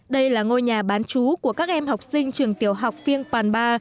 đây là ngôi nhà bán chú của các em học sinh trường tiểu học phiêng pàn ba